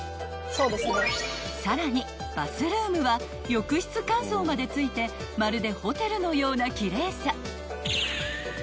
［さらにバスルームは浴室乾燥までついてまるでホテルのような奇麗さ］